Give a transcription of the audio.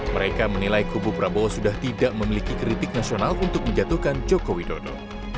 mereka menilai kubu prabowo sudah tidak memiliki kritik nasional untuk menjatuhkan joko widodo